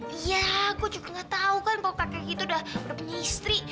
iya aku juga gak tau kan kalo kakek itu udah punya istri